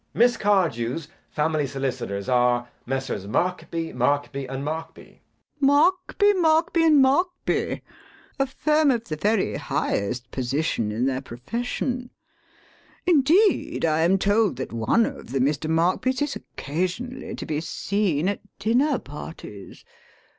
JACK. Miss Cardew's family solicitors are Messrs. Markby, Markby, and Markby. LADY BRACKNELL. Markby, Markby, and Markby? A firm of the very highest position in their profession. Indeed I am told that one of the Mr. Markby's is occasionally to be seen at dinner parties.